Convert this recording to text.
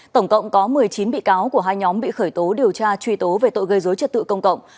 tổng cộng có một mươi chín bị cáo của hai nhóm bị khởi tố điều tra truy tố về tội gây dối trật tự công cộng